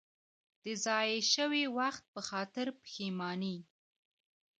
د ضایع شوي وخت په خاطر پښېماني.